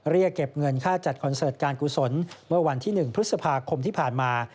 เรียกเก็บเงินค่าจัดคอนเสิร์ตการกุศลเมื่อวันที่๑พฤษภาคมที่ผ่านมา